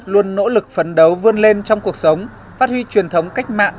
luôn nỗ lực phấn đấu vươn lên trong cuộc sống phát huy truyền thống cách mạng